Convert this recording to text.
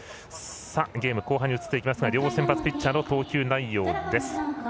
ゲーム後半ですが両先発ピッチャーの投球内容です。